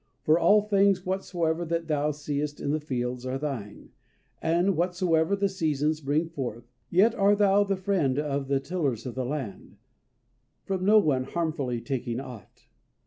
For all things whatsoever that thou seest in the fields are thine, and whatsoever the seasons bring forth. Yet art thou the friend of the tillers of the land, from no one harmfully taking aught.